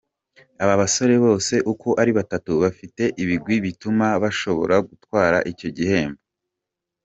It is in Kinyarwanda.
Aba basore bose uko ari batatu bafite ibigwi bituma bashobora gutwara icyo gihembo.